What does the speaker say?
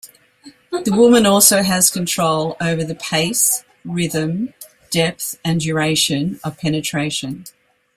The woman also has control over the pace, rhythm, depth and duration of penetration.